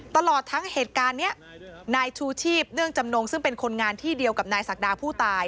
ตลอดทั้งเหตุการณ์นี้นายชูชีพเนื่องจำนงซึ่งเป็นคนงานที่เดียวกับนายศักดาผู้ตาย